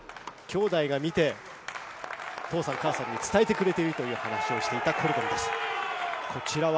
きょうだいが見て、お父さん、お母さんに伝えてくれているという話をしていたコルドンです。